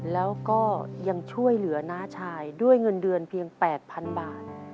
แล้วก็ยังช่วยเหลือน้าชายด้วยเงินเดือนเพียง๘๐๐๐บาท